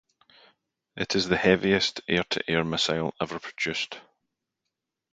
It is the heaviest air-to-air missile ever produced.